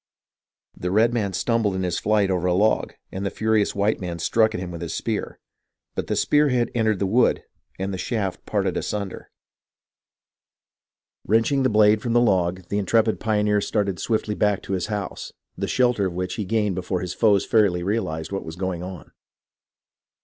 The redman stumbled in his flight over a log, and the furious white man struck at him with his spear ; but the spear head entered the wood, and the shaft parted asunder. Wrenching the blade 256 HISTORY OF THE AMERICAN REVOLUTION from the log, the intrepid pioneer started swiftly back to his house, the shelter of which he gained before his foes fairly realized what was going on.